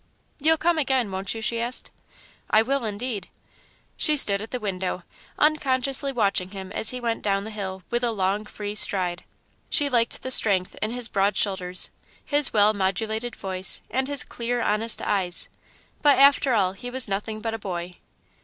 "You'll come again, won't you?" she asked. "I will, indeed." She stood at the window, unconsciously watching him as he went down the hill with a long, free stride. She liked the strength in his broad shoulders, his well modulated voice, and his clear, honest eyes; but after all he was nothing but a boy.